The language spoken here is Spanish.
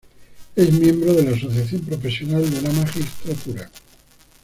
Es miembro de la Asociación Profesional de la Magistratura.